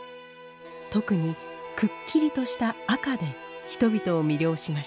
特にくっきりとした赤で人々を魅了しました。